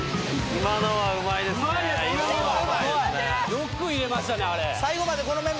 よく入れましたねあれ。